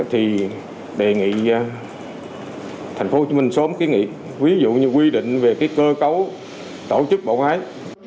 thì đề nghị thành phố hồ chí minh sớm kiến nghị ví dụ như quy định về cái cơ cấu tổ chức bộ ngoái